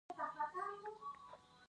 ایا زه لاسونه ووینځم؟